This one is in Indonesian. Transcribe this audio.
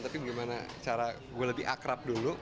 tapi bagaimana cara gue lebih akrab dulu